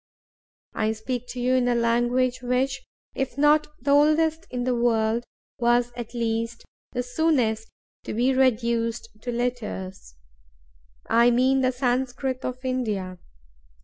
I speak to you in a language which, if not the oldest in the world, was at least the soonest to be reduced to letters—I mean the Sanscrit of India.